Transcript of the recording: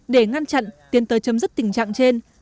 để ngăn chặn tiến tới chấm dứt tình trạng trên